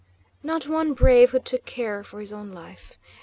Not one brave who took care for his own life.